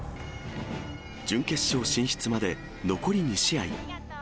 準決勝進出まで残り２試合。